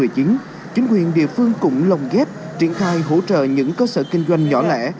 chính quyền địa phương cũng lồng ghép triển khai hỗ trợ những cơ sở kinh doanh nhỏ lẻ